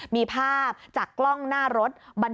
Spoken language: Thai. มีภาพจากกล้องหน้ารถ